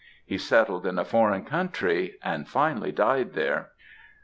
He settled in a foreign country and finally died there.